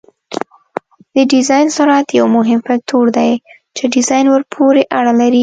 د ډیزاین سرعت یو مهم فکتور دی چې ډیزاین ورپورې اړه لري